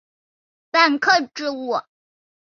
本科植物都是旱生型的。